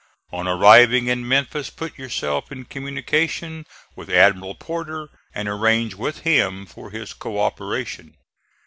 On arriving in Memphis, put yourself in communication with Admiral Porter, and arrange with him for his co operation.